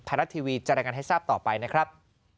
พันรับทีวีจัดการให้ทราบต่อไปนะครับ